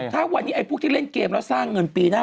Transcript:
ถ้าวันนี้ไอ้พวกที่เล่นเกมแล้วสร้างเงินปีหน้า